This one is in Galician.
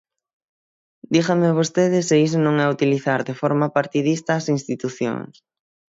Dígame vostede se iso non é utilizar de forma partidista as institucións.